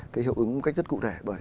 cái hiệu ứng cách rất cụ thể